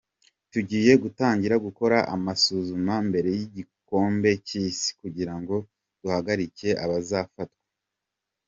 Tugiye gutangira gukora amasuzuma mbere y’igikombe cy’isi kugira ngo duhagarike abazafatwa.